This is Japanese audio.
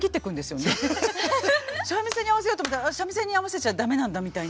三味線に合わせようと思ったら三味線に合わせちゃダメなんだみたいな。